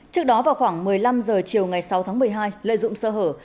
trước đó vào khoảng một mươi năm h chiều ngày sáu tháng một mươi hai lợi dụng sơ hở